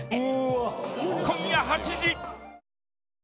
今夜８時。